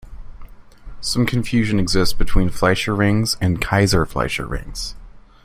Some confusion exists between Fleischer rings and Kayser-Fleischer rings.